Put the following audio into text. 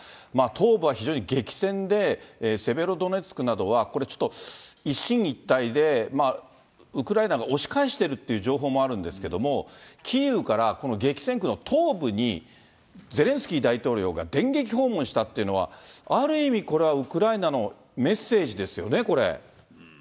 東部は非常に激戦で、セベロドネツクなどはこれ、ちょっと一進一退で、ウクライナが押し返しているっていう情報もあるんですけれども、キーウから激戦区の東部にゼレンスキー大統領が電撃訪問したっていうのは、ある意味、これはウクライナのメッセージですよね、これ。